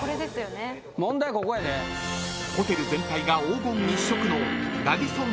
［ホテル全体が黄金一色の］